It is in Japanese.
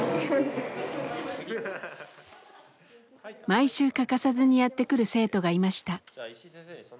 毎週欠かさずにやって来る生徒がいました。